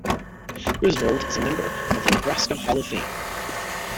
Griswold is a member of the Nebraska Hall of Fame.